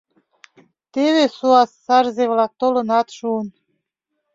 Теве суас сарзе-влак толынат шуын.